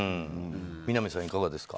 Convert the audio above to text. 南さん、いかがですか。